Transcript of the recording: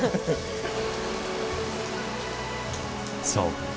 そう。